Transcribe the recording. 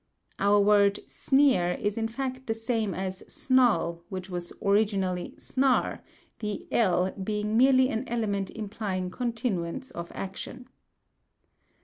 Our word sneer is in fact the same as snarl, which was originally snar, the l "being merely an element implying continuance of action."